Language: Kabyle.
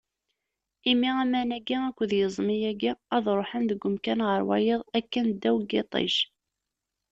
Imi aman-agi akked yiẓmi-agi, ad ruḥen seg umkan ɣer wayeḍ akken ddaw n yiṭij.